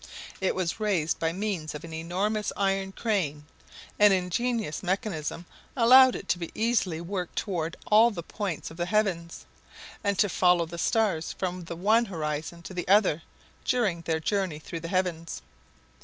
It was raised by means of an enormous iron crane; an ingenious mechanism allowed it to be easily worked toward all the points of the heavens, and to follow the stars from the one horizon to the other during their journey through the heavens.